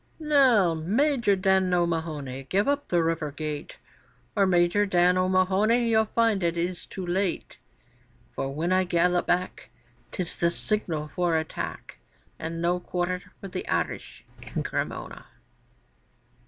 'Now, Major Dan O'Mahony, give up the river gate, Or, Major Dan O'Mahony, you'll find it is too late; For when I gallop back 'Tis the signal for attack, And no quarter for the Irish in Cremona!